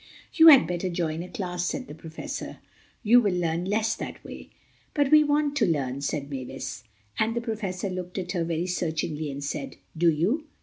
"You had better join a class," said the Professor, "you will learn less that way." "But we want to learn," said Mavis. And the Professor looked at her very searchingly and said, "Do you?"